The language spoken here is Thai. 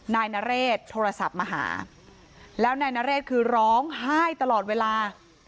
นายนเรศโทรศัพท์มาหาแล้วนายนเรศคือร้องไห้ตลอดเวลา